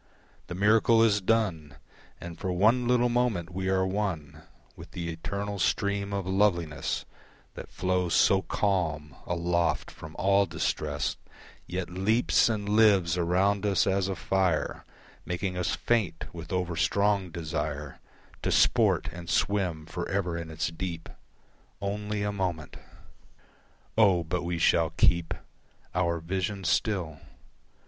The miracle is done And for one little moment we are one With the eternal stream of loveliness That flows so calm, aloft from all distress Yet leaps and lives around us as a fire Making us faint with overstrong desire To sport and swim for ever in its deep Only a moment. O! but we shall keep Our vision still.